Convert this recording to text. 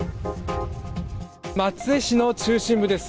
松江市の中心部です。